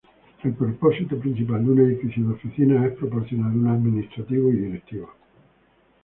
El propósito principal de un edificio de oficinas es proporcionar un administrativos y directivos.